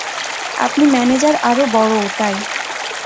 আপনি ম্যানেজার আর বড়ও, তাই।